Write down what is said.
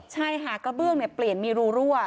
ใช่หากระเบื้องเนี่ยปลีนมีรัว